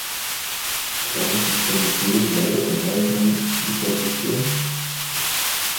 Plant die Kommission weitere Maßnahmen in dieser Richtung?